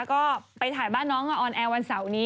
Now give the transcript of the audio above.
ก็ไปถ่ายบ้านน้องออนแอร์วันเสาร์นี้